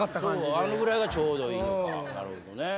そうあのぐらいがちょうどいいのかなるほどね。